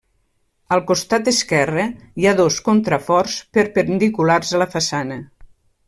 Al costat esquerre hi ha dos contraforts perpendiculars a la façana.